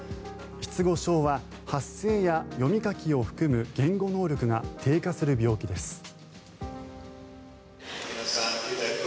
失語症は発声や読み書きを含む言語能力が低下する病気です。